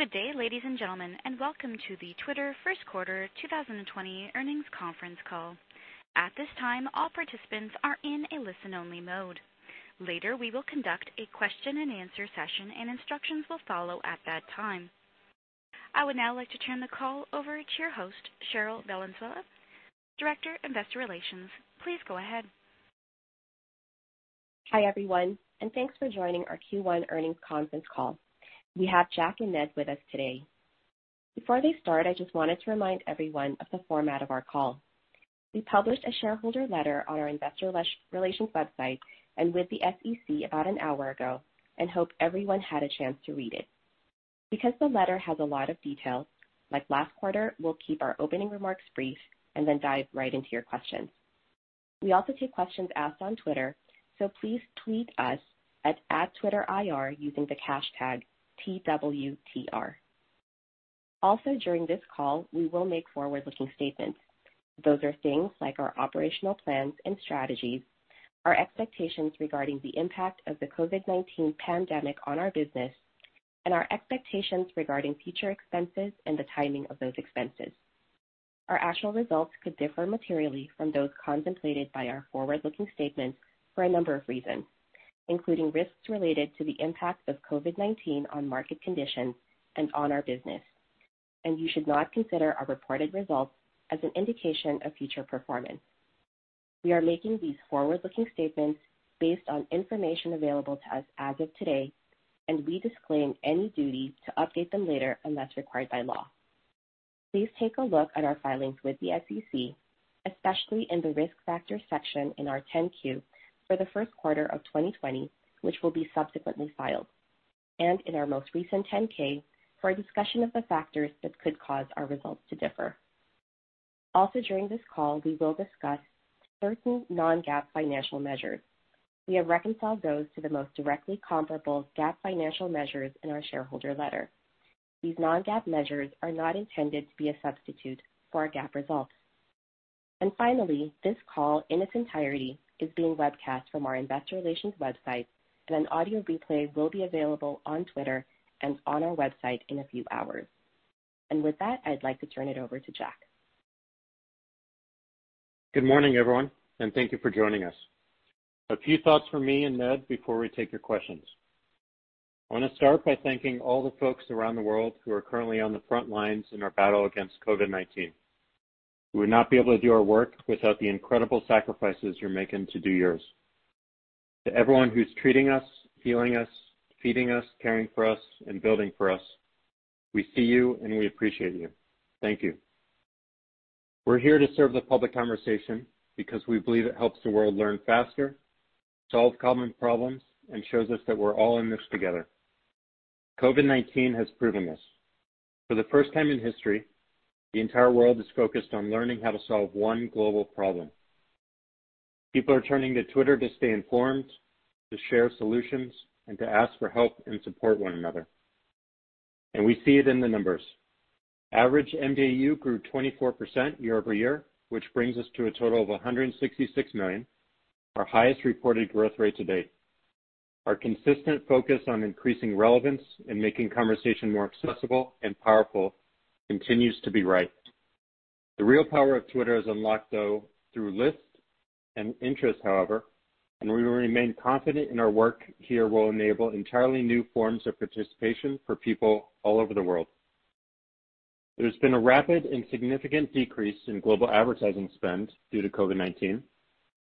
Good day, ladies and gentlemen, and welcome to the Twitter first quarter 2020 earnings conference call. At this time, all participants are in a listen-only mode. Later, we will conduct a question and answer session, and instructions will follow at that time. I would now like to turn the call over to your host, Cherryl Valenzuela, Director, Investor Relations. Please go ahead. Hi, everyone, and thanks for joining our Q1 earnings conference call. We have Jack and Ned with us today. Before they start, I just wanted to remind everyone of the format of our call. We published a shareholder letter on our investor relations website and with the SEC about an hour ago and hope everyone had a chance to read it. The letter has a lot of details, like last quarter, we'll keep our opening remarks brief and then dive right into your questions. We also take questions asked on Twitter, please tweet us at @TwitterIR using the hashtag #TWTR. During this call, we will make forward-looking statements. Those are things like our operational plans and strategies, our expectations regarding the impact of the COVID-19 pandemic on our business, and our expectations regarding future expenses and the timing of those expenses. Our actual results could differ materially from those contemplated by our forward-looking statements for a number of reasons, including risks related to the impact of COVID-19 on market conditions and on our business, and you should not consider our reported results as an indication of future performance. We are making these forward-looking statements based on information available to us as of today. We disclaim any duty to update them later unless required by law. Please take a look at our filings with the SEC, especially in the Risk Factors section in our 10-Q for the first quarter of 2020, which will be subsequently filed, and in our most recent 10-K for a discussion of the factors that could cause our results to differ. During this call, we will discuss certain non-GAAP financial measures. We have reconciled those to the most directly comparable GAAP financial measures in our shareholder letter. These non-GAAP measures are not intended to be a substitute for our GAAP results. Finally, this call in its entirety is being webcast from our investor relations website, and an audio replay will be available on Twitter and on our website in a few hours. With that, I'd like to turn it over to Jack. Good morning, everyone, and thank you for joining us. A few thoughts from me and Ned before we take your questions. I want to start by thanking all the folks around the world who are currently on the front lines in our battle against COVID-19. We would not be able to do our work without the incredible sacrifices you're making to do yours. To everyone who's treating us, healing us, feeding us, caring for us, and building for us, we see you and we appreciate you. Thank you. We're here to serve the public conversation because we believe it helps the world learn faster, solve common problems, and shows us that we're all in this together. COVID-19 has proven this. For the first time in history, the entire world is focused on learning how to solve one global problem. People are turning to Twitter to stay informed, to share solutions, and to ask for help and support one another. We see it in the numbers. Average mDAU grew 24% year over year, which brings us to a total of 166 million, our highest reported growth rate to date. Our consistent focus on increasing relevance and making conversation more accessible and powerful continues to be right. The real power of Twitter is unlocked, though, through lists and interests, however, and we remain confident in our work here will enable entirely new forms of participation for people all over the world. There's been a rapid and significant decrease in global advertising spend due to COVID-19,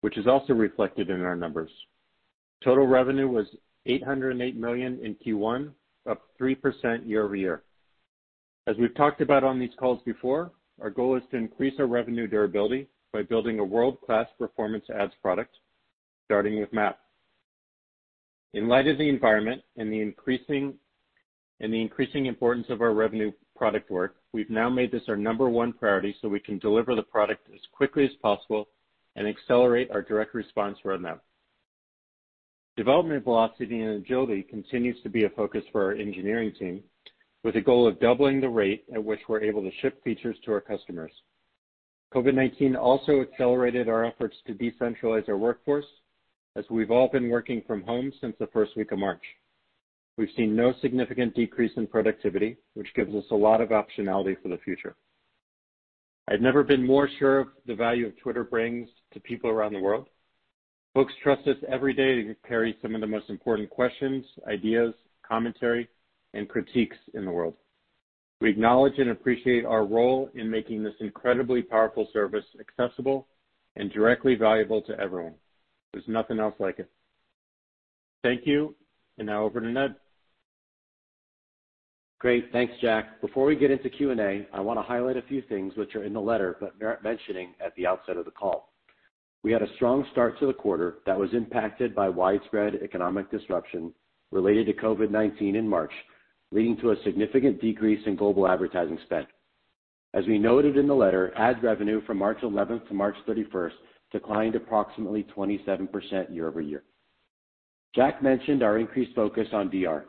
which is also reflected in our numbers. Total revenue was $808 million in Q1, up 3% year over year. As we've talked about on these calls before, our goal is to increase our revenue durability by building a world-class performance ads product, starting with MAP. In light of the environment and the increasing importance of our revenue product work, we've now made this our number one priority so we can deliver the product as quickly as possible and accelerate our direct response roadmap. Development velocity and agility continues to be a focus for our engineering team, with a goal of doubling the rate at which we're able to ship features to our customers. COVID-19 also accelerated our efforts to decentralize our workforce, as we've all been working from home since the first week of March. We've seen no significant decrease in productivity, which gives us a lot of optionality for the future. I've never been more sure of the value Twitter brings to people around the world. Folks trust us every day to carry some of the most important questions, ideas, commentary, and critiques in the world. We acknowledge and appreciate our role in making this incredibly powerful service accessible and directly valuable to everyone. There's nothing else like it. Thank you. Now over to Ned. Great. Thanks, Jack. Before we get into Q&A, I want to highlight a few things which are in the letter but merit mentioning at the outset of the call. We had a strong start to the quarter that was impacted by widespread economic disruption related to COVID-19 in March, leading to a significant decrease in global advertising spend. As we noted in the letter, ad revenue from March 11th to March 31st declined approximately 27% year-over-year. Jack mentioned our increased focus on DR.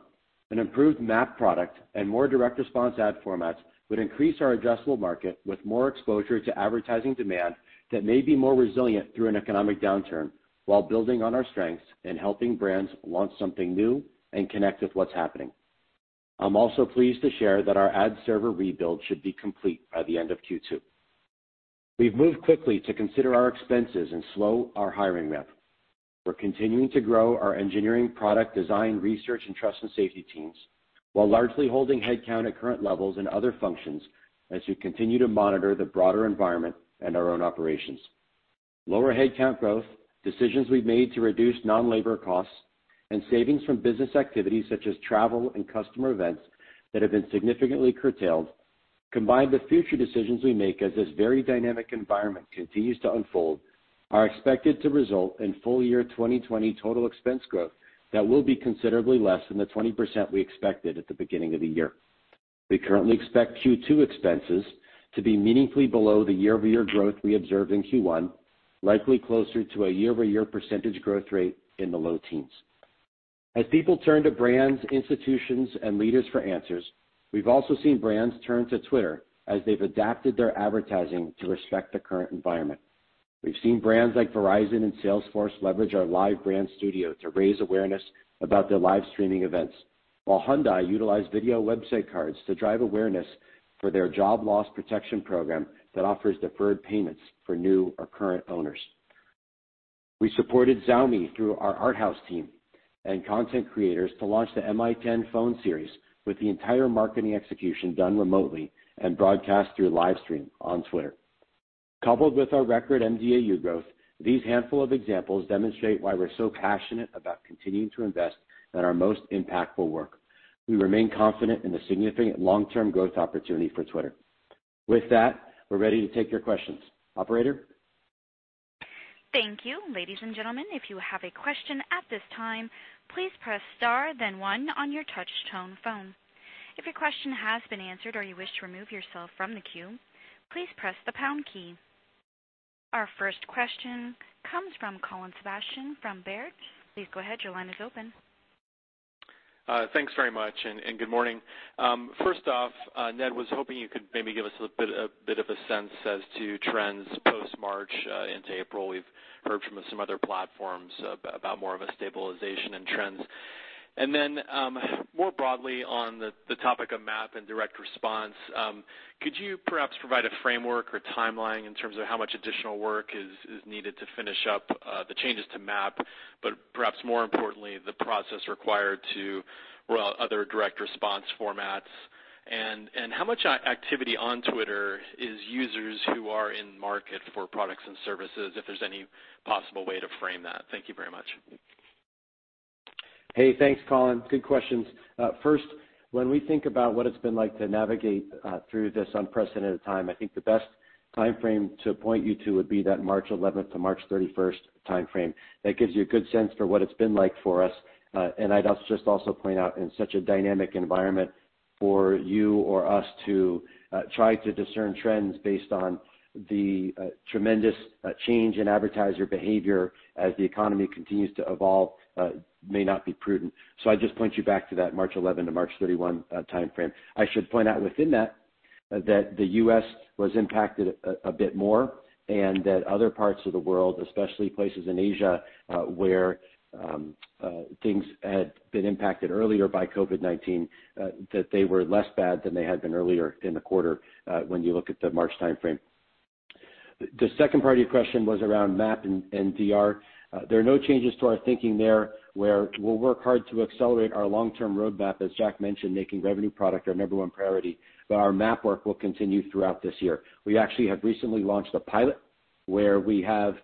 An improved MAP product and more direct response ad formats would increase our addressable market with more exposure to advertising demand that may be more resilient through an economic downturn while building on our strengths and helping brands launch something new and connect with what's happening. I'm also pleased to share that our ad server rebuild should be complete by the end of Q2. We've moved quickly to consider our expenses and slow our hiring ramp. We're continuing to grow our engineering, product design, research, and trust and safety teams, while largely holding headcount at current levels in other functions, as we continue to monitor the broader environment and our own operations. Lower headcount growth, decisions we've made to reduce non-labor costs, and savings from business activities such as travel and customer events that have been significantly curtailed, combined with future decisions we make as this very dynamic environment continues to unfold, are expected to result in full year 2020 total expense growth that will be considerably less than the 20% we expected at the beginning of the year. We currently expect Q2 expenses to be meaningfully below the year-over-year growth we observed in Q1, likely closer to a year-over-year percentage growth rate in the low teens. As people turn to brands, institutions, and leaders for answers, we've also seen brands turn to Twitter as they've adapted their advertising to respect the current environment. We've seen brands like Verizon and Salesforce leverage our live brand studio to raise awareness about their live streaming events, while Hyundai utilized Video Website Cards to drive awareness for their job loss protection program that offers deferred payments for new or current owners. We supported Xiaomi through our ArtHouse team and content creators to launch the Mi 10 phone series, with the entire marketing execution done remotely and broadcast through live stream on Twitter. Coupled with our record mDAU growth, these handful of examples demonstrate why we're so passionate about continuing to invest in our most impactful work. We remain confident in the significant long-term growth opportunity for Twitter. With that, we're ready to take your questions. Operator? Thank you. Ladies and gentlemen, if you have a question at this time, please press star then one on your touch tone phone. If your question has been answered or you wish to remove yourself from the queue, please press the pound key. Our first question comes from Colin Sebastian from Baird. Please go ahead, your line is open. Thanks very much, and good morning. First off, Ned, was hoping you could maybe give us a bit of a sense as to trends post-March into April. We've heard from some other platforms about more of a stabilization in trends. Then, more broadly on the topic of MAP and direct response, could you perhaps provide a framework or timeline in terms of how much additional work is needed to finish up the changes to MAP, but perhaps more importantly, the process required to roll out other direct response formats? How much activity on Twitter is users who are in market for products and services, if there's any possible way to frame that? Thank you very much. Hey, thanks, Colin. Good questions. First, when we think about what it's been like to navigate through this unprecedented time, I think the best timeframe to point you to would be that March 11th to March 31st timeframe. I'd just also point out, in such a dynamic environment, for you or us to try to discern trends based on the tremendous change in advertiser behavior as the economy continues to evolve may not be prudent. I'd just point you back to that March 11 to March 31 timeframe. I should point out within that the U.S. was impacted a bit more, and that other parts of the world, especially places in Asia, where things had been impacted earlier by COVID-19, that they were less bad than they had been earlier in the quarter, when you look at the March timeframe. The second part of your question was around MAP and DR. There are no changes to our thinking there, where we'll work hard to accelerate our long-term roadmap, as Jack mentioned, making revenue product our number one priority, but our MAP work will continue throughout this year. We actually have recently launched a pilot where we have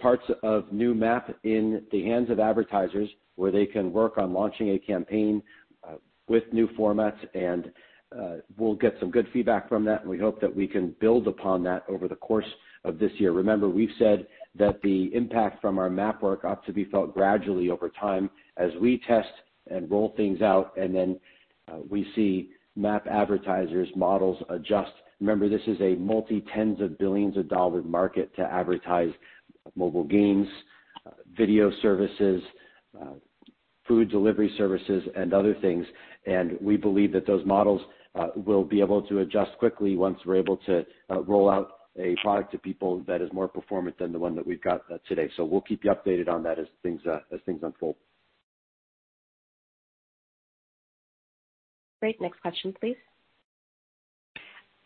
parts of new MAP in the hands of advertisers, where they can work on launching a campaign with new formats and we'll get some good feedback from that, and we hope that we can build upon that over the course of this year. Remember, we've said that the impact from our MAP work ought to be felt gradually over time as we test and roll things out, and then we see MAP advertisers' models adjust. Remember, this is a multi-10s of billions of dollar market to advertise mobile games, video services, food delivery services, and other things, and we believe that those models will be able to adjust quickly once we're able to roll out a product to people that is more performant than the one that we've got today. We'll keep you updated on that as things unfold. Great. Next question, please.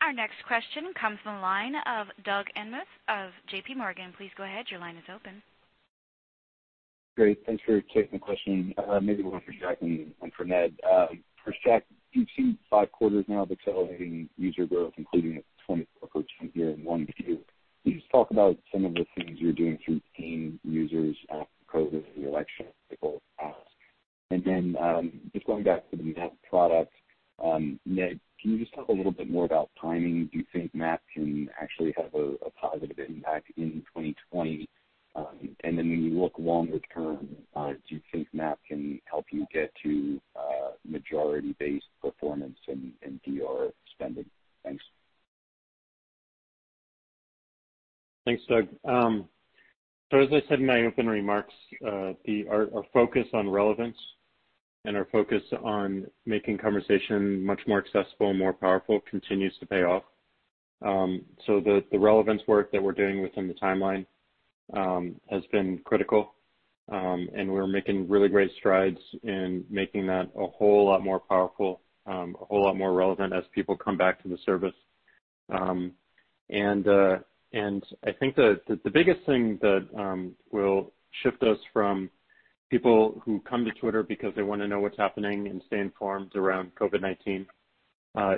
Our next question comes from the line of Doug Anmuth of JPMorgan. Please go ahead, your line is open. Great. Thanks for taking the question. Maybe one for Jack and for Ned. For Jack, you've seen five quarters now of accelerating user growth, including approaching a year in one view. Can you just talk about some of the things you're doing to retain users post the election ask. Just going back to the MAP product, Ned, can you just talk a little bit more about timing? Do you think MAP can actually have a positive impact in 2020? When you look longer term, do you think MAP can help you get to majority-based performance in DR spending? Thanks. Thanks, Doug. As I said in my opening remarks, our focus on relevance and our focus on making conversation much more accessible and more powerful continues to pay off. The relevance work that we're doing within the timeline has been critical. We're making really great strides in making that a whole lot more powerful, a whole lot more relevant as people come back to the service. I think the biggest thing that will shift us from people who come to Twitter because they want to know what's happening and stay informed around COVID-19,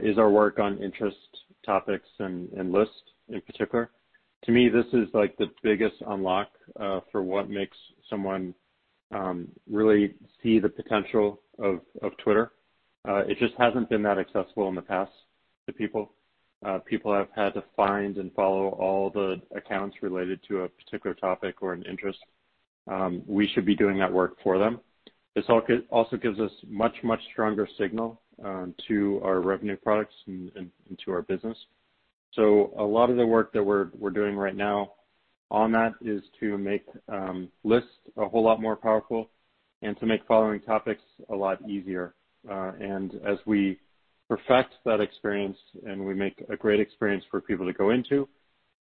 is our work on interest topics and lists in particular. To me, this is the biggest unlock for what makes someone really see the potential of Twitter. It just hasn't been that accessible in the past to people. People have had to find and follow all the accounts related to a particular topic or an interest. We should be doing that work for them. This also gives us much, much stronger signal to our revenue products and to our business. A lot of the work that we're doing right now on that is to make lists a whole lot more powerful and to make following topics a lot easier. As we perfect that experience, and we make a great experience for people to go into,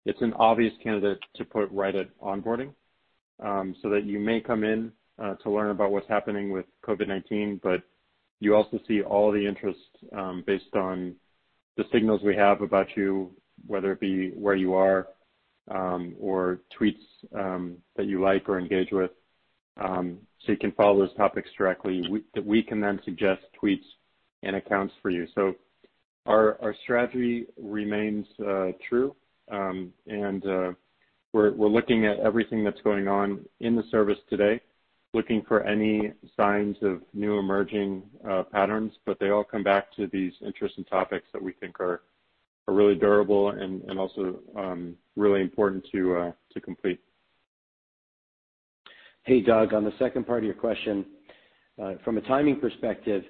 it's an obvious candidate to put right at onboarding, so that you may come in to learn about what's happening with COVID-19, but you also see all the interests based on the signals we have about you, whether it be where you are or tweets that you like or engage with, so you can follow those topics directly, that we can then suggest tweets and accounts for you. Our strategy remains true. We're looking at everything that's going on in the service today, looking for any signs of new emerging patterns, but they all come back to these interests and topics that we think are really durable and also really important to complete. Hey, Doug, on the second part of your question, from a timing perspective,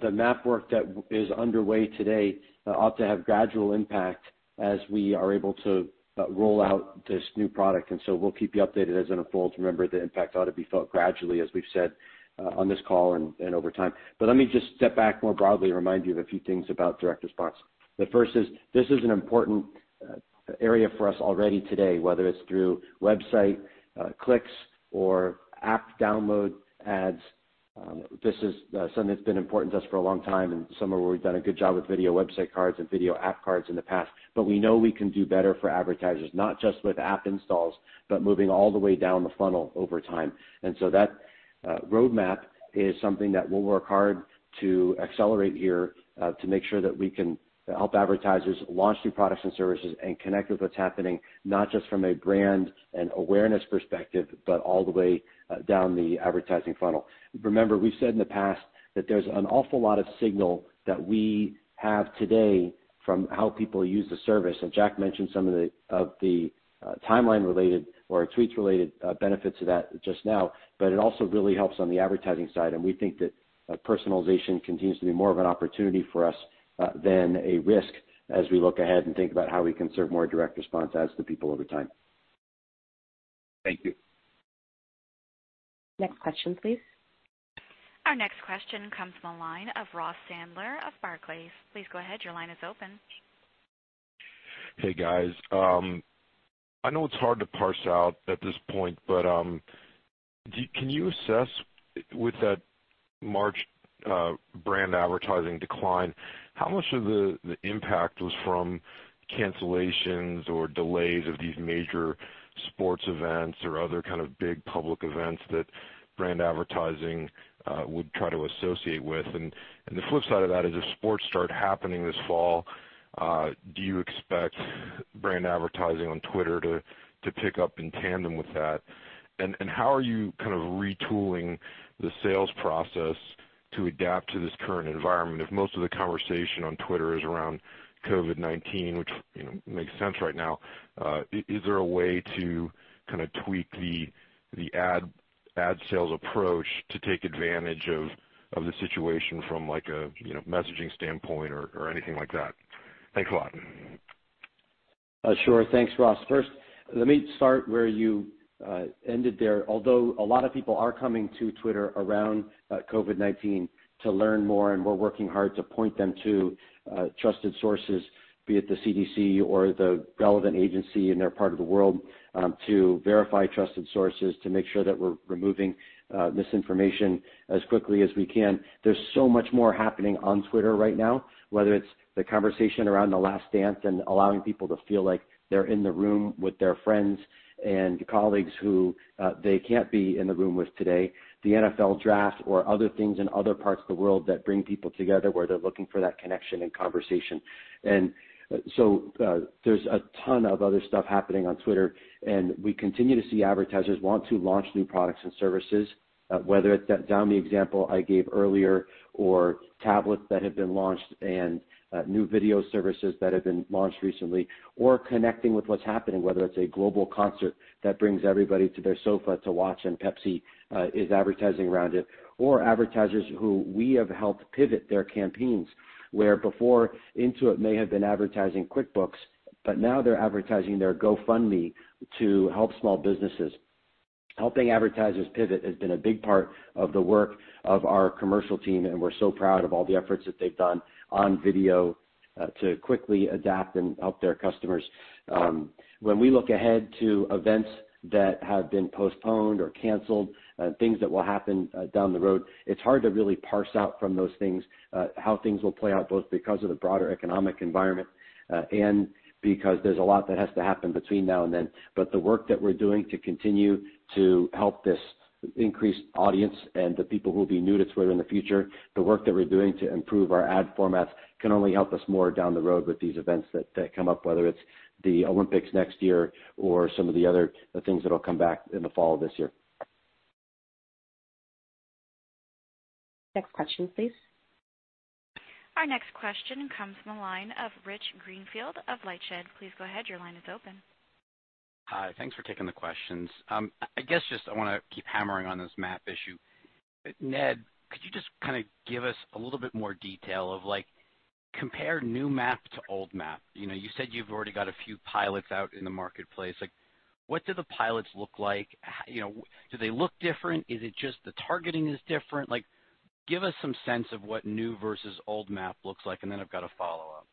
the MAP work that is underway today ought to have gradual impact as we are able to roll out this new product. We'll keep you updated as it unfolds. Remember, the impact ought to be felt gradually, as we've said on this call and over time. Let me just step back more broadly and remind you of a few things about direct response. The first is, this is an important area for us already today, whether it's through website clicks or app download ads. This is something that's been important to us for a long time and somewhere where we've done a good job with Video Website Cards and Video App Cards in the past. We know we can do better for advertisers, not just with app installs, but moving all the way down the funnel over time. That roadmap is something that we'll work hard to accelerate here to make sure that we can help advertisers launch new products and services and connect with what's happening, not just from a brand and awareness perspective, but all the way down the advertising funnel. Remember, we've said in the past that there's an awful lot of signal that we have today from how people use the service. Jack mentioned some of the timeline related or tweets related benefits of that just now, but it also really helps on the advertising side. We think that personalization continues to be more of an opportunity for us than a risk as we look ahead and think about how we can serve more direct response ads to people over time. Thank you. Next question, please. Our next question comes from the line of Ross Sandler of Barclays. Please go ahead. Your line is open. Hey, guys. I know it's hard to parse out at this point, but can you assess with that March brand advertising decline, how much of the impact was from cancellations or delays of these major sports events or other kind of big public events that brand advertising would try to associate with? The flip side of that is, if sports start happening this fall, do you expect brand advertising on Twitter to pick up in tandem with that? How are you kind of retooling the sales process to adapt to this current environment? If most of the conversation on Twitter is around COVID-19, which makes sense right now, is there a way to kind of tweak the ad sales approach to take advantage of the situation from a messaging standpoint or anything like that? Thanks a lot. Sure. Thanks, Ross. First, let me start where you ended there. Although a lot of people are coming to Twitter around COVID-19 to learn more, and we're working hard to point them to trusted sources, be it the CDC or the relevant agency in their part of the world, to verify trusted sources, to make sure that we're removing misinformation as quickly as we can. There's so much more happening on Twitter right now, whether it's the conversation around "The Last Dance" and allowing people to feel like they're in the room with their friends and colleagues who they can't be in the room with today, the NFL Draft or other things in other parts of the world that bring people together where they're looking for that connection and conversation. There's a ton of other stuff happening on Twitter, and we continue to see advertisers want to launch new products and services, whether it's that Downy example I gave earlier or tablets that have been launched and new video services that have been launched recently, or connecting with what's happening, whether it's a global concert that brings everybody to their sofa to watch and Pepsi is advertising around it, or advertisers who we have helped pivot their campaigns where before Intuit may have been advertising QuickBooks, but now they're advertising their GoFundMe to help small businesses. Helping advertisers pivot has been a big part of the work of our commercial team, and we're so proud of all the efforts that they've done on video to quickly adapt and help their customers. When we look ahead to events that have been postponed or canceled and things that will happen down the road, it's hard to really parse out from those things how things will play out, both because of the broader economic environment and because there's a lot that has to happen between now and then. The work that we're doing to continue to help this increased audience and the people who will be new to Twitter in the future, the work that we're doing to improve our ad formats, can only help us more down the road with these events that come up, whether it's the Olympics next year or some of the other things that'll come back in the fall of this year. Next question, please. Our next question comes from the line of Rich Greenfield of LightShed. Please go ahead. Your line is open. Hi. Thanks for taking the questions. I guess just I want to keep hammering on this MAP issue. Ned, could you just give us a little bit more detail of compare new MAP to old MAP. You said you've already got a few pilots out in the marketplace. What do the pilots look like? Do they look different? Is it just the targeting is different? Give us some sense of what new versus old MAP looks like, and then I've got a follow-up.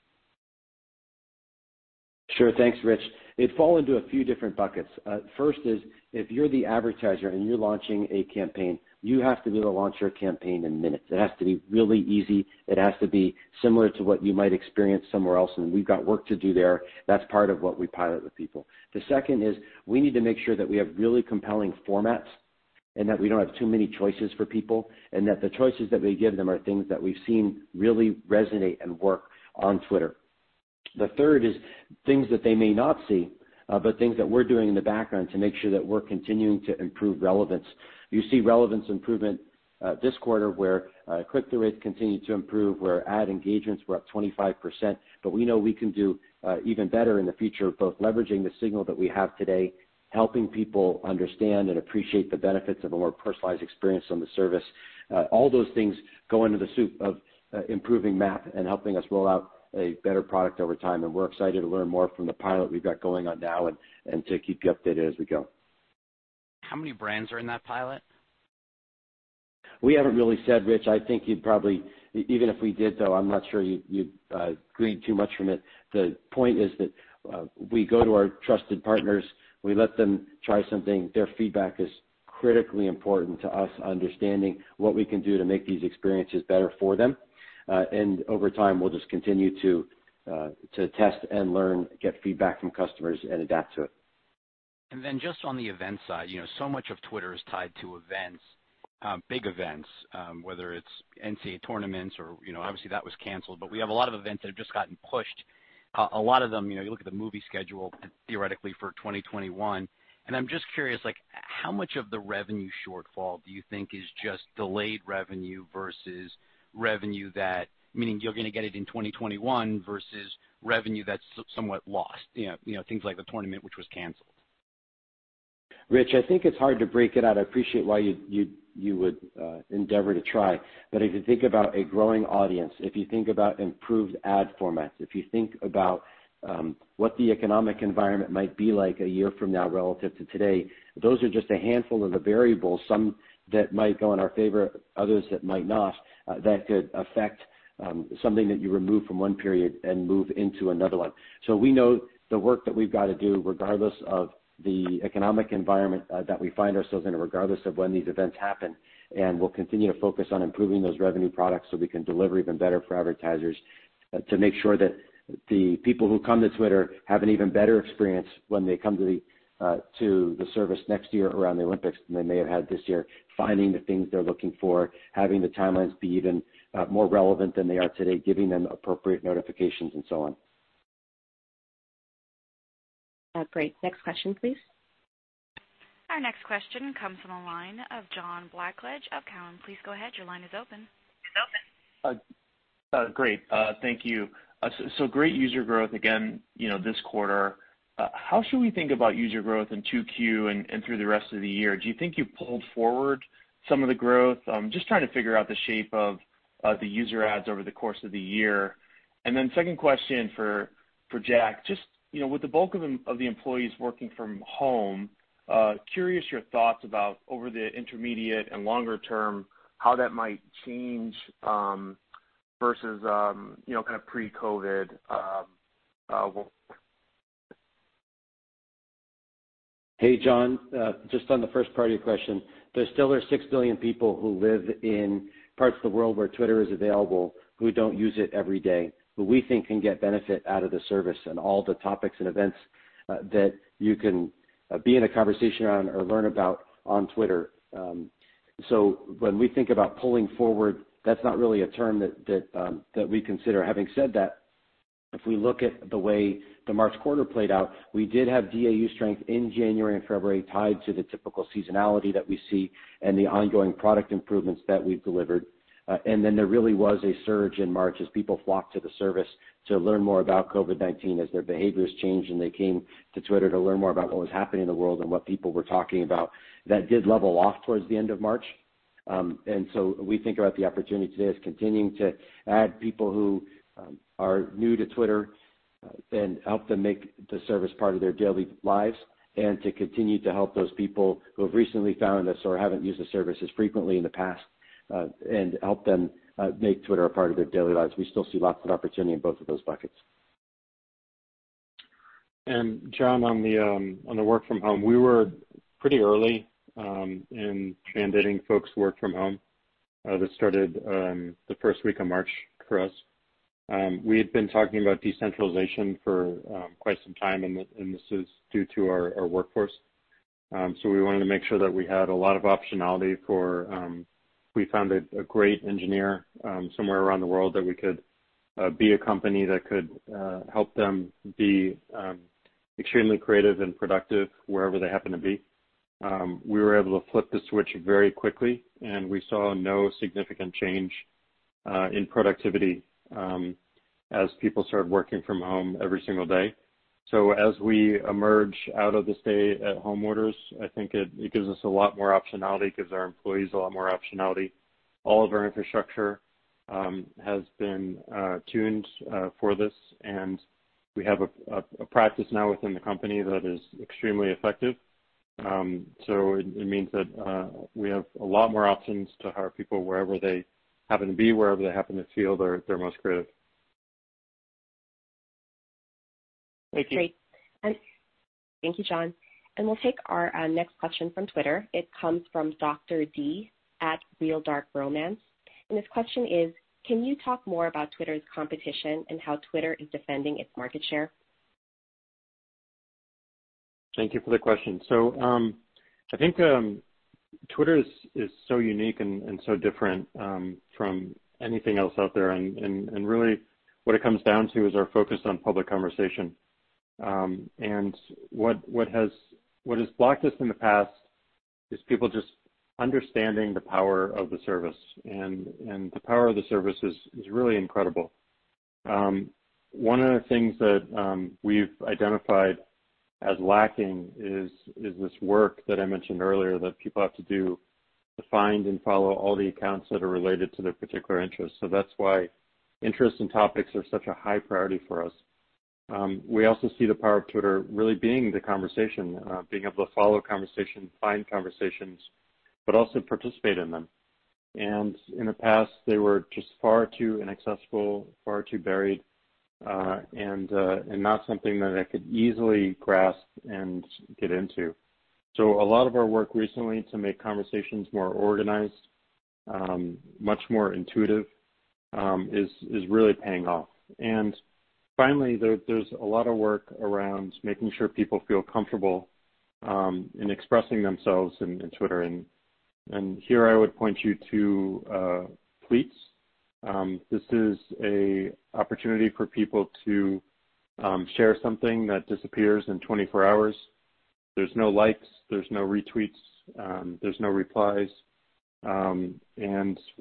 Sure. Thanks, Rich. It'd fall into a few different buckets. First is, if you're the advertiser and you're launching a campaign, you have to be able to launch your campaign in minutes. It has to be really easy. It has to be similar to what you might experience somewhere else, and we've got work to do there. That's part of what we pilot with people. The second is we need to make sure that we have really compelling formats and that we don't have too many choices for people, and that the choices that we give them are things that we've seen really resonate and work on Twitter. The third is things that they may not see, but things that we're doing in the background to make sure that we're continuing to improve relevance. You see relevance improvement this quarter where click-through rates continued to improve, where ad engagements were up 25%, but we know we can do even better in the future, both leveraging the signal that we have today, helping people understand and appreciate the benefits of a more personalized experience on the service. All those things go into the soup of improving MAP and helping us roll out a better product over time, and we're excited to learn more from the pilot we've got going on now and to keep you updated as we go. How many brands are in that pilot? We haven't really said, Rich. I think you'd probably even if we did, though, I'm not sure you'd read too much from it. The point is that we go to our trusted partners, we let them try something. Their feedback is critically important to us understanding what we can do to make these experiences better for them. Over time, we'll just continue to test and learn, get feedback from customers, and adapt to it. Just on the event side, so much of Twitter is tied to events, big events, whether it's NCAA tournaments or obviously, that was canceled, but we have a lot of events that have just gotten pushed, a lot of them. You look at the movie schedule theoretically for 2021, and I'm just curious, how much of the revenue shortfall do you think is just delayed revenue versus revenue that, meaning you're going to get it in 2021 versus revenue that's somewhat lost, things like the tournament which was canceled. Rich, I think it's hard to break it out. I appreciate why you would endeavor to try. If you think about a growing audience, if you think about improved ad formats, if you think about what the economic environment might be like a year from now relative to today, those are just a handful of the variables, some that might go in our favor, others that might not, that could affect something that you remove from one period and move into another one. We know the work that we've got to do, regardless of the economic environment that we find ourselves in, regardless of when these events happen. We'll continue to focus on improving those revenue products so we can deliver even better for advertisers to make sure that the people who come to Twitter have an even better experience when they come to the service next year around the Olympics than they may have had this year, finding the things they're looking for, having the timelines be even more relevant than they are today, giving them appropriate notifications, and so on. Great. Next question, please. Our next question comes from the line of John Blackledge of Cowen. Please go ahead. Your line is open. Great. Thank you. Great user growth again this quarter. How should we think about user growth in 2Q and through the rest of the year? Do you think you've pulled forward some of the growth? Just trying to figure out the shape of the user adds over the course of the year. Second question for Jack, just with the bulk of the employees working from home, curious your thoughts about over the intermediate and longer term, how that might change versus pre-COVID. Hey, John. Just on the first part of your question, there still are 6 billion people who live in parts of the world where Twitter is available who don't use it every day, who we think can get benefit out of the service and all the topics and events that you can be in a conversation on or learn about on Twitter. When we think about pulling forward, that's not really a term that we consider. Having said that, if we look at the way the March quarter played out, we did have DAU strength in January and February tied to the typical seasonality that we see and the ongoing product improvements that we've delivered. There really was a surge in March as people flocked to the service to learn more about COVID-19 as their behaviors changed and they came to Twitter to learn more about what was happening in the world and what people were talking about. That did level off towards the end of March. We think about the opportunity today as continuing to add people who are new to Twitter and help them make the service part of their daily lives, and to continue to help those people who have recently found us or haven't used the service as frequently in the past, and help them make Twitter a part of their daily lives. We still see lots of opportunity in both of those buckets. John, on the work from home, we were pretty early in mandating folks work from home. This started the first week of March for us. We had been talking about decentralization for quite some time, and this is due to our workforce. We wanted to make sure that we had a lot of optionality for if we found a great engineer somewhere around the world, that we could be a company that could help them be extremely creative and productive wherever they happen to be. We were able to flip the switch very quickly, and we saw no significant change in productivity as people started working from home every single day. As we emerge out of the stay-at-home orders, I think it gives us a lot more optionality, gives our employees a lot more optionality. All of our infrastructure has been tuned for this, and we have a practice now within the company that is extremely effective. It means that we have a lot more options to hire people wherever they happen to be, wherever they happen to feel they're most creative. Great. Thank you, John. We'll take our next question from Twitter. It comes from Dr. D @realdarkromance, this question is: can you talk more about Twitter's competition and how Twitter is defending its market share? Thank you for the question. I think Twitter is so unique and so different from anything else out there, and really what it comes down to is our focus on public conversation. What has blocked us in the past is people just understanding the power of the service, and the power of the service is really incredible. One of the things that we've identified as lacking is this work that I mentioned earlier, that people have to do to find and follow all the accounts that are related to their particular interests. That's why interests and topics are such a high priority for us. We also see the power of Twitter really being the conversation, being able to follow conversations, find conversations, but also participate in them. In the past, they were just far too inaccessible, far too buried, and not something that I could easily grasp and get into. A lot of our work recently to make conversations more organized, much more intuitive, is really paying off. Finally, there's a lot of work around making sure people feel comfortable in expressing themselves in Twitter. Here I would point you to Fleets. This is an opportunity for people to share something that disappears in 24 hours. There's no likes, there's no retweets, there's no replies. The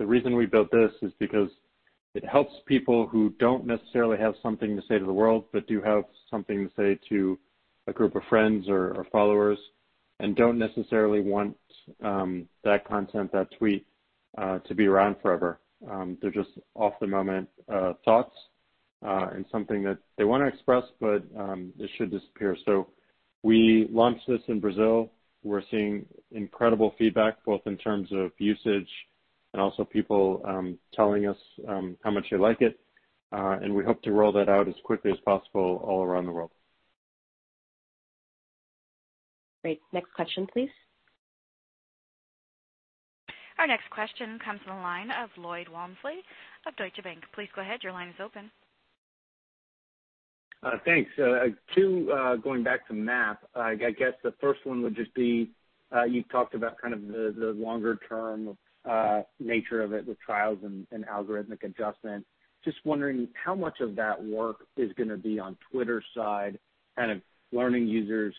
reason we built this is because it helps people who don't necessarily have something to say to the world, but do have something to say to a group of friends or followers, and don't necessarily want that content, that tweet, to be around forever. They're just off-the-moment thoughts and something that they want to express, but it should disappear. We launched this in Brazil. We're seeing incredible feedback, both in terms of usage and also people telling us how much they like it, and we hope to roll that out as quickly as possible all around the world. Great. Next question please. Our next question comes from the line of Lloyd Walmsley of Deutsche Bank. Please go ahead. Your line is open. Thanks. Two, going back to MAP. I guess the first one would just be, you talked about the longer-term nature of it with trials and algorithmic adjustment. Just wondering how much of that work is going to be on Twitter's side, learning users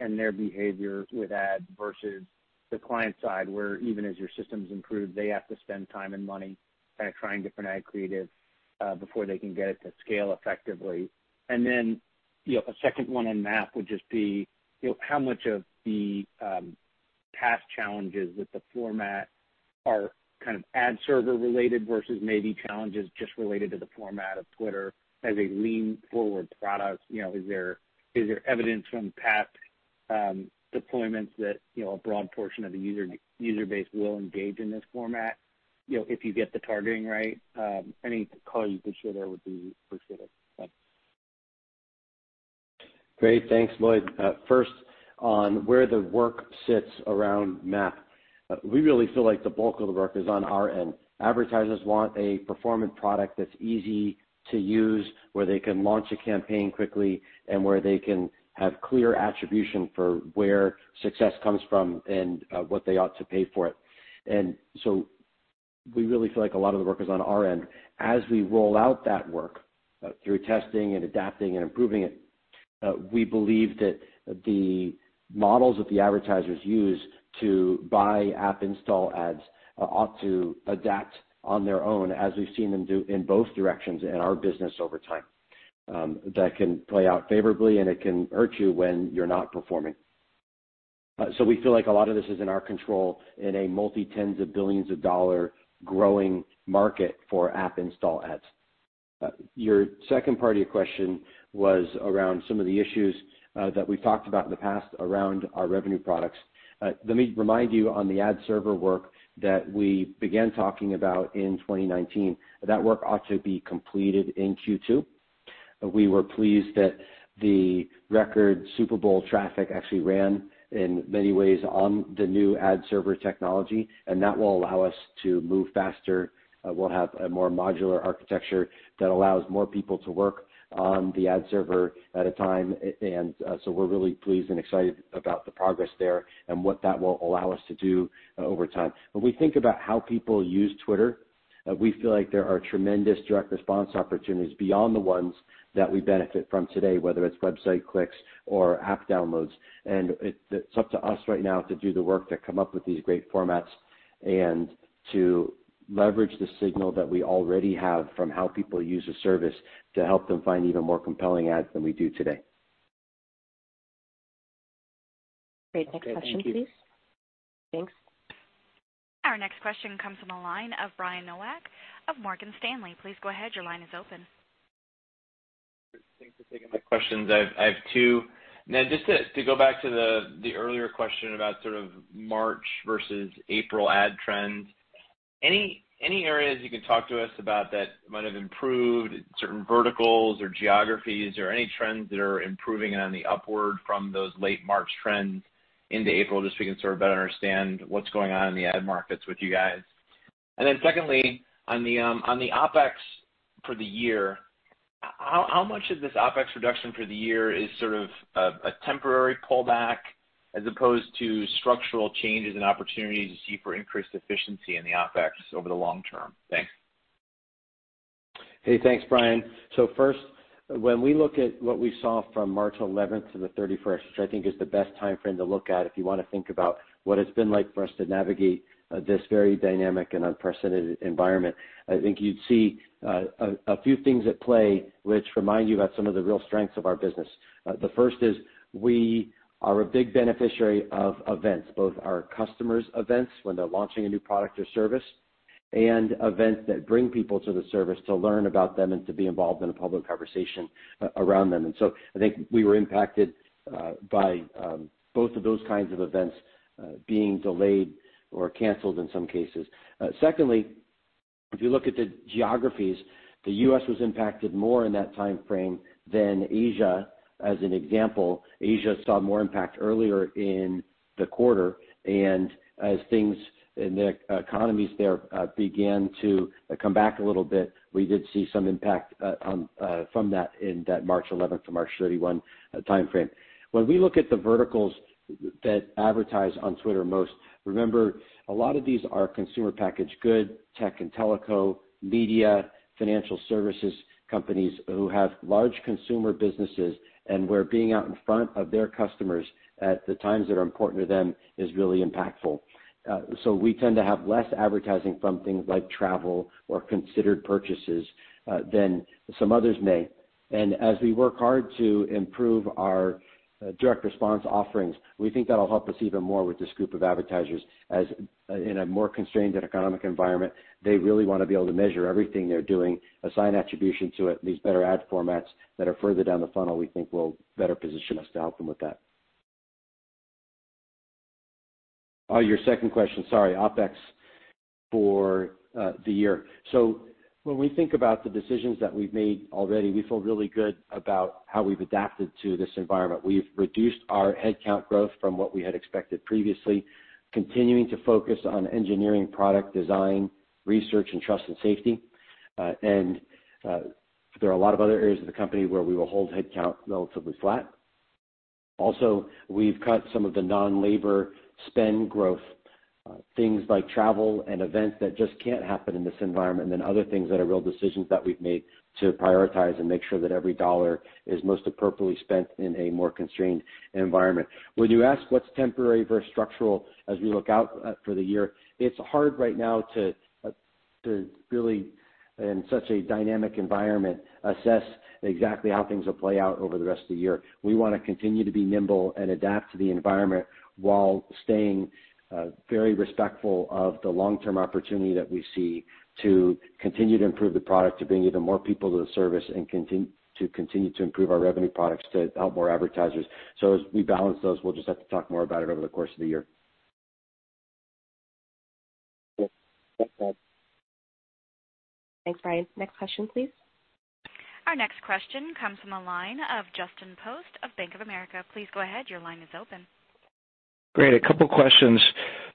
and their behavior with ads, versus the client side, where even as your systems improve, they have to spend time and money trying different ad creative before they can get it to scale effectively. A second one on MAP would just be how much of the past challenges with the format are ad server related versus maybe challenges just related to the format of Twitter as a lean-forward product? Is there evidence from past deployments that a broad portion of the user base will engage in this format if you get the targeting right? Any color you could share there would be appreciated. Thanks. Thanks, Lloyd. On where the work sits around MAP. We really feel like the bulk of the work is on our end. Advertisers want a performant product that's easy to use, where they can launch a campaign quickly, and where they can have clear attribution for where success comes from and what they ought to pay for it. We really feel like a lot of the work is on our end. As we roll out that work through testing and adapting and improving it, we believe that the models that the advertisers use to buy app install ads ought to adapt on their own, as we've seen them do in both directions in our business over time. That can play out favorably, and it can hurt you when you're not performing. We feel like a lot of this is in our control in a multi-tens of billions of dollar growing market for app install ads. Your second part of your question was around some of the issues that we've talked about in the past around our revenue products. Let me remind you on the ad server work that we began talking about in 2019. That work ought to be completed in Q2. We were pleased that the record Super Bowl traffic actually ran in many ways on the new ad server technology, and that will allow us to move faster. We'll have a more modular architecture that allows more people to work on the ad server at a time. We're really pleased and excited about the progress there and what that will allow us to do over time. When we think about how people use Twitter, we feel like there are tremendous direct response opportunities beyond the ones that we benefit from today, whether it's website clicks or app downloads. It's up to us right now to do the work to come up with these great formats and to leverage the signal that we already have from how people use the service to help them find even more compelling ads than we do today. Great. Next question, please. Okay, thank you. Thanks. Our next question comes from the line of Brian Nowak of Morgan Stanley. Please go ahead. Your line is open. Thanks for taking my questions. I have two. Ned, just to go back to the earlier question about March versus April ad trends, any areas you can talk to us about that might have improved certain verticals or geographies, or any trends that are improving on the upward from those late March trends into April, just so we can better understand what's going on in the ad markets with you guys. Secondly, on the OpEx for the year, how much of this OpEx reduction for the year is a temporary pullback as opposed to structural changes and opportunities you see for increased efficiency in the OpEx over the long term? Thanks. Hey, thanks, Brian. First, when we look at what we saw from March 11th to the 31st, which I think is the best timeframe to look at if you want to think about what it's been like for us to navigate this very dynamic and unprecedented environment, I think you'd see a few things at play which remind you about some of the real strengths of our business. The first is we are a big beneficiary of events, both our customers' events when they're launching a new product or service, and events that bring people to the service to learn about them and to be involved in a public conversation around them. I think we were impacted by both of those kinds of events being delayed or canceled in some cases. If you look at the geographies, the U.S. was impacted more in that timeframe than Asia. As an example, Asia saw more impact earlier in the quarter, and as things in the economies there began to come back a little bit, we did see some impact from that in that March 11th to March 31 timeframe. When we look at the verticals that advertise on Twitter most, remember, a lot of these are consumer packaged good, tech and telco, media, financial services companies who have large consumer businesses and where being out in front of their customers at the times that are important to them is really impactful. We tend to have less advertising from things like travel or considered purchases than some others may. As we work hard to improve our direct response offerings, we think that'll help us even more with this group of advertisers as in a more constrained and economic environment, they really want to be able to measure everything they're doing, assign attribution to it. These better ad formats that are further down the funnel, we think will better position us to help them with that. Your second question, sorry, OpEx for the year. When we think about the decisions that we've made already, we feel really good about how we've adapted to this environment. We've reduced our headcount growth from what we had expected previously, continuing to focus on engineering, product design, research, and trust and safety. There are a lot of other areas of the company where we will hold headcount relatively flat. Also, we've cut some of the non-labor spend growth, things like travel and events that just can't happen in this environment, and other things that are real decisions that we've made to prioritize and make sure that every dollar is most appropriately spent in a more constrained environment. When you ask what's temporary versus structural as we look out for the year, it's hard right now to really, in such a dynamic environment, assess exactly how things will play out over the rest of the year. We want to continue to be nimble and adapt to the environment while staying very respectful of the long-term opportunity that we see to continue to improve the product, to bring even more people to the service, and to continue to improve our revenue products to help more advertisers. As we balance those, we'll just have to talk more about it over the course of the year. Yeah. That's all. Thanks, Brian. Next question, please. Our next question comes from the line of Justin Post of Bank of America. Please go ahead. Your line is open. Great. A couple of questions.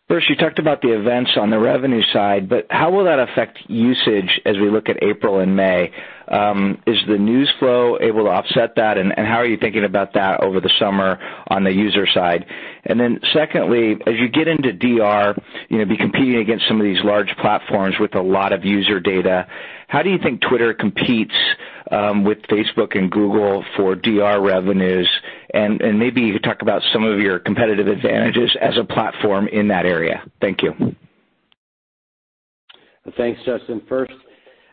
First, you talked about the events on the revenue side, but how will that affect usage as we look at April and May? Is the news flow able to offset that, and how are you thinking about that over the summer on the user side? Then secondly, as you get into DR, you'll be competing against some of these large platforms with a lot of user data. How do you think Twitter competes with Facebook and Google for DR revenues? Maybe you could talk about some of your competitive advantages as a platform in that area. Thank you. Thanks, Justin. First,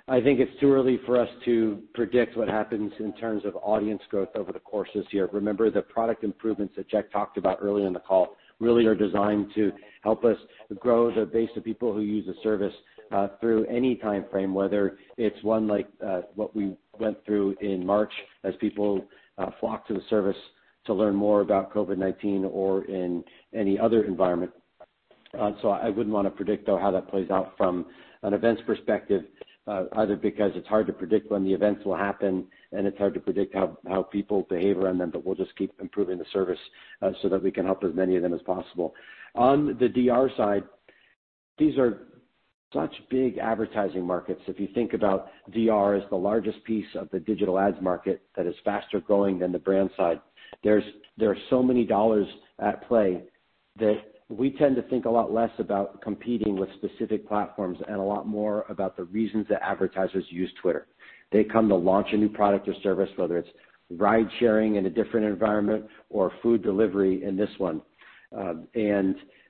I think it's too early for us to predict what happens in terms of audience growth over the course of this year. Remember, the product improvements that Jack talked about earlier in the call really are designed to help us grow the base of people who use the service, through any timeframe, whether it's one like what we went through in March as people flocked to the service to learn more about COVID-19 or in any other environment. I wouldn't want to predict, though, how that plays out from an events perspective, either because it's hard to predict when the events will happen and it's hard to predict how people behave around them. We'll just keep improving the service so that we can help as many of them as possible. On the DR side, these are such big advertising markets. If you think about DR as the largest piece of the digital ads market that is faster-growing than the brand side, there are so many dollars at play that we tend to think a lot less about competing with specific platforms and a lot more about the reasons that advertisers use Twitter. They come to launch a new product or service, whether it's ride sharing in a different environment or food delivery in this one.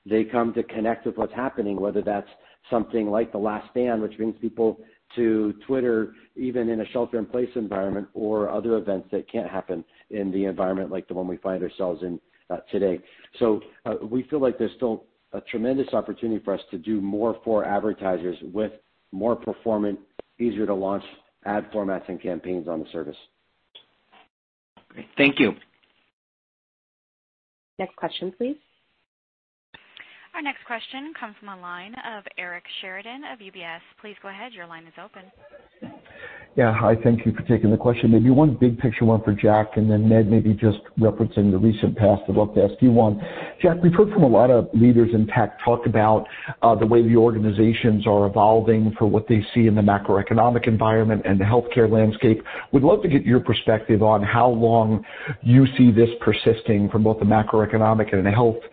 They come to connect with what's happening, whether that's something like The Last Dance, which brings people to Twitter, even in a shelter in place environment or other events that can't happen in the environment like the one we find ourselves in today. We feel like there's still a tremendous opportunity for us to do more for advertisers with more performant, easier to launch ad formats and campaigns on the service. Great. Thank you. Next question, please. Our next question comes from the line of Eric Sheridan of UBS. Please go ahead. Your line is open. Yeah. Hi. Thank you for taking the question. Maybe one big picture one for Jack, and then Ned, maybe just referencing the recent past, I'd love to ask you one. Jack, we've heard from a lot of leaders in tech talk about the way the organizations are evolving for what they see in the macroeconomic environment and the healthcare landscape. Would love to get your perspective on how long you see this persisting from both the macroeconomic and healthcare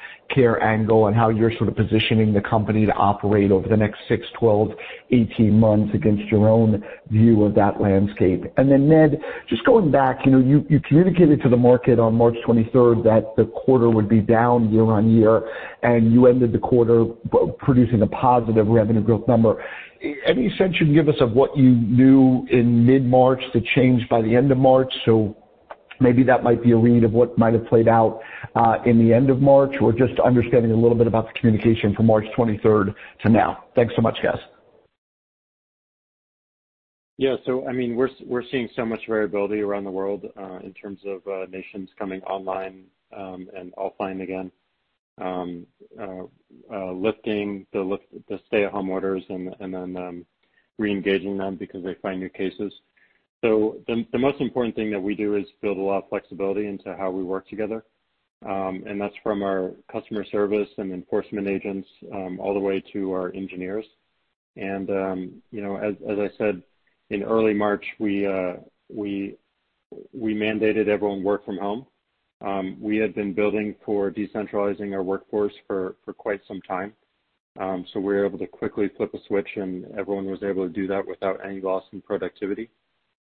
angle, and how you're positioning the company to operate over the next six, 12, 18 months against your own view of that landscape. Ned, just going back, you communicated to the market on March 23rd that the quarter would be down year-on-year, and you ended the quarter producing a positive revenue growth number. Any sense you can give us of what you knew in mid-March that changed by the end of March? Maybe that might be a read of what might have played out in the end of March, or just understanding a little bit about the communication from March 23rd to now. Thanks so much, guys. Yeah. We're seeing so much variability around the world, in terms of nations coming online and offline again, lifting the stay-at-home orders and then reengaging them because they find new cases. The most important thing that we do is build a lot of flexibility into how we work together. That's from our customer service and enforcement agents, all the way to our engineers. As I said, in early March, we mandated everyone work from home. We had been building for decentralizing our workforce for quite some time. We were able to quickly flip a switch, and everyone was able to do that without any loss in productivity.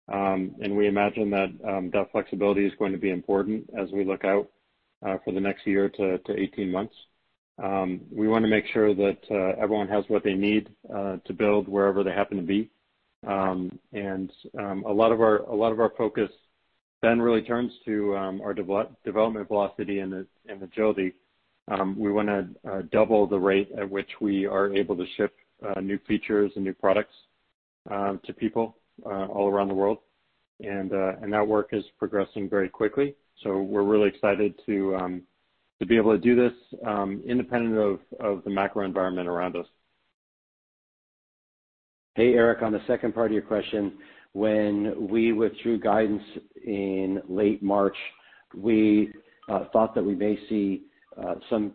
We imagine that flexibility is going to be important as we look out for the next year to 18 months. We want to make sure that everyone has what they need to build wherever they happen to be. A lot of our focus then really turns to our development velocity and agility. We want to double the rate at which we are able to ship new features and new products to people all around the world. That work is progressing very quickly. We're really excited to be able to do this, independent of the macro environment around us. Hey, Eric, on the second part of your question, when we withdrew guidance in late March, we thought that we may see some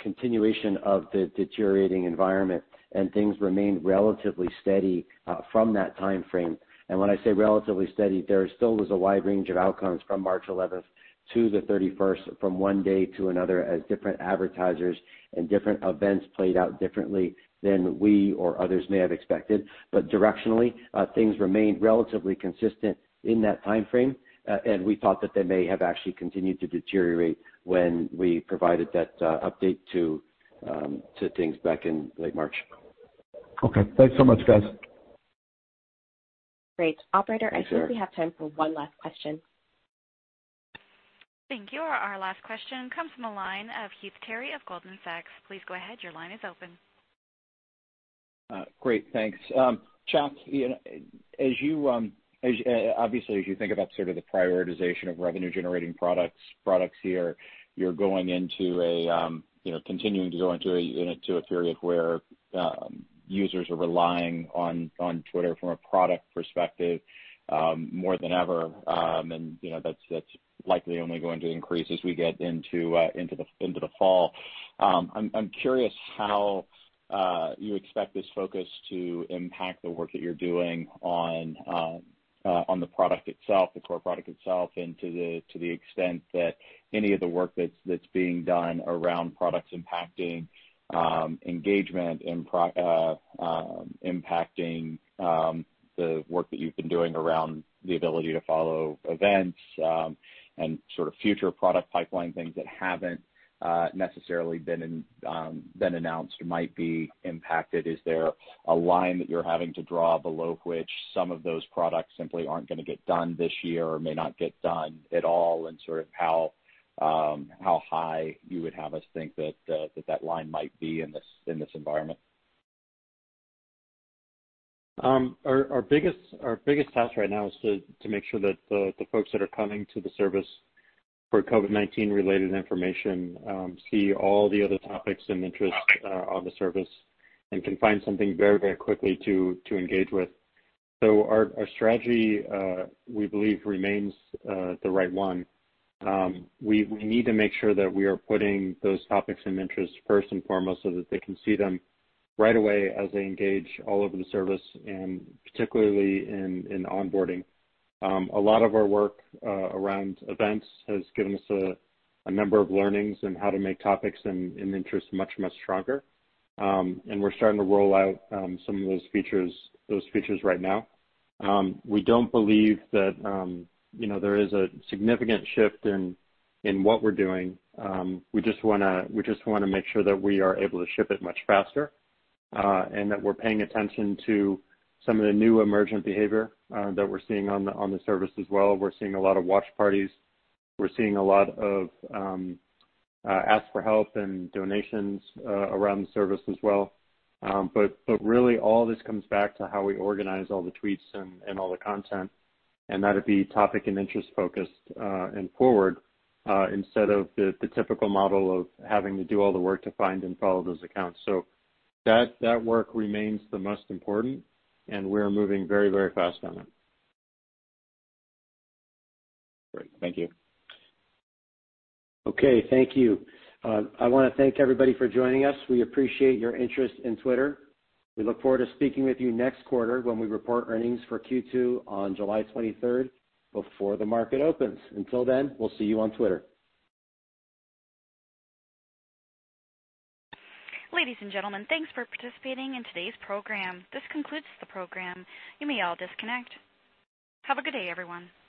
continuation of the deteriorating environment and things remained relatively steady from that timeframe. When I say relatively steady, there still was a wide range of outcomes from March 11th to the 31st from one day to another as different advertisers and different events played out differently than we or others may have expected. Directionally, things remained relatively consistent in that timeframe. We thought that they may have actually continued to deteriorate when we provided that update to things back in late March. Okay. Thanks so much, guys. Great. Operator, I think we have time for one last question. Thank you. Our last question comes from the line of Heath Terry of Goldman Sachs. Please go ahead. Your line is open. Great. Thanks. Jack, obviously, as you think about the prioritization of revenue-generating products here, you're continuing to go into a period where users are relying on Twitter from a product perspective more than ever. That's likely only going to increase as we get into the fall. I'm curious how you expect this focus to impact the work that you're doing on the core product itself and to the extent that any of the work that's being done around products impacting engagement, impacting the work that you've been doing around the ability to follow events, and future product pipeline things that haven't necessarily been announced might be impacted. Is there a line that you're having to draw below which some of those products simply aren't going to get done this year or may not get done at all, and how high you would have us think that line might be in this environment? Our biggest task right now is to make sure that the folks that are coming to the service for COVID-19 related information see all the other topics and interests on the service and can find something very quickly to engage with. Our strategy, we believe, remains the right one. We need to make sure that we are putting those topics and interests first and foremost so that they can see them right away as they engage all over the service, and particularly in onboarding. A lot of our work around events has given us a number of learnings in how to make topics and interests much stronger. We're starting to roll out some of those features right now. We don't believe that there is a significant shift in what we're doing. We just want to make sure that we are able to ship it much faster, and that we're paying attention to some of the new emergent behavior that we're seeing on the service as well. We're seeing a lot of watch parties. We're seeing a lot of asks for help and donations around the service as well. Really, all this comes back to how we organize all the tweets and all the content, and that'd be topic and interest focused and forward, instead of the typical model of having to do all the work to find and follow those accounts. That work remains the most important, and we're moving very fast on it. Great. Thank you. Okay. Thank you. I want to thank everybody for joining us. We appreciate your interest in Twitter. We look forward to speaking with you next quarter when we report earnings for Q2 on July 23rd, before the market opens. Until then, we'll see you on Twitter. Ladies and gentlemen, thanks for participating in today's program. This concludes the program. You may all disconnect. Have a good day, everyone.